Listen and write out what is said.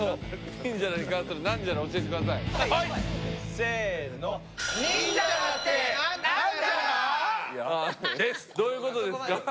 せのどういうことですか？